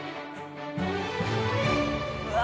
うわ！